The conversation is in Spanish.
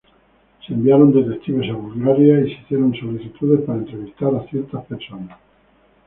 Se enviaron detectives a Bulgaria y se hicieron solicitudes para entrevistar a ciertas personas.